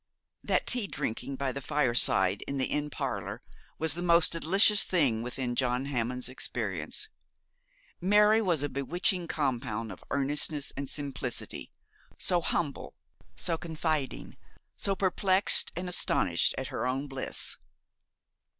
That tea drinking by the fireside in the inn parlour was the most delicious thing within John Hammond's experience. Mary was a bewitching compound of earnestness and simplicity, so humble, so confiding, so perplexed and astounded at her own bliss.